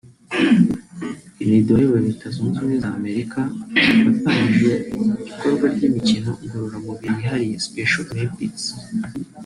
Kennedy wayoboye Leta Zunze Ubumwe z’Amerika watangije ikorwa ry’imikino ngororamubiri yihariye (Special Olympics)